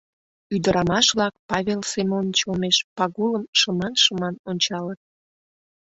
Ӱдырамаш-влак Павел Семоныч олмеш Пагулым шыман-шыман ончалыт.